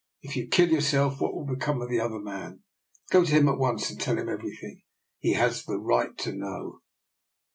If you kill yourself, what will become of the other man? Go to him at once and tell him everything. He has the right to know.''